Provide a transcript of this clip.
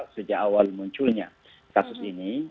sejak awal munculnya kasus ini